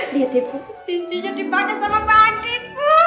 lihat ya bu cincinya dipakai sama bandit